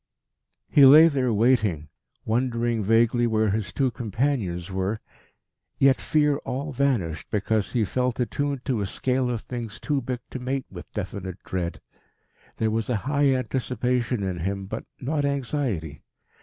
He lay there waiting, wondering vaguely where his two companions were, yet fear all vanished because he felt attuned to a scale of things too big to mate with definite dread. There was high anticipation in him, but not anxiety.